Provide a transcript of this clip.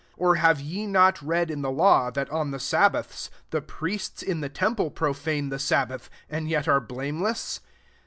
5 Or have ye not read in the law, that on the sabbaths the priests in the temple profane the sab bath, and yet are blameless